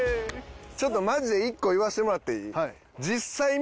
ちょっとマジで１個言わせてもらっていい？